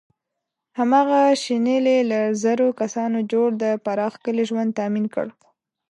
هماغه شنیلي له زرو کسانو جوړ د پراخ کلي ژوند تأمین کړ.